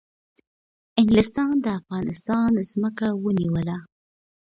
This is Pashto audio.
انگلیسان د افغانستان ځمکه ونیوله